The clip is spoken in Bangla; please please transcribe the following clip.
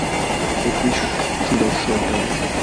ও খুবই সুদর্শোন, তাই না?